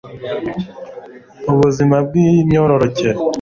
ubuzima bw imyororokere